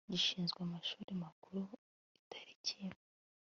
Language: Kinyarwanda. gishinzwe amashuri makuru itariki